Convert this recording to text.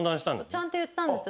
ちゃんと言ったんです。